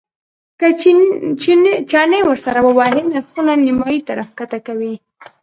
که چنې ورسره ووهې نرخونه نیمایي ته راښکته کوي.